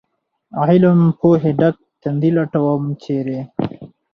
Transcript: علم پوهې ډک تندي لټوم ، چېرې ؟